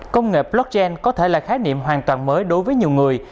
công nghệ blockchain có thể là khái niệm hoàn toàn mới đối với nhiều người